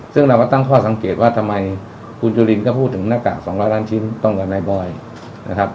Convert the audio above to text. ซึ่งเราก็ตั้งข้อสังเกตว่าทำไมคุณจุลินก็พูดถึงหน้ากาก๒๐๐ล้านชิ้นตรงกับนายบอยนะครับ